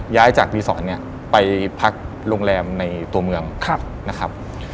ย้ายจากรีสอร์ทเนี่ยไปพักโรงแรมในตัวเมืองนะครับ